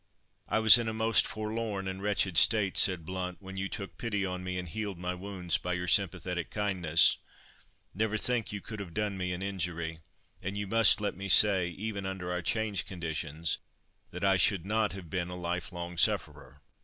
"I was in a most forlorn and wretched state," said Blount, "when you took pity on me and healed my wounds by your sympathetic kindness. Never think you could have done me an injury—and you must let me say, even under our changed conditions, that I should not have been a life long sufferer.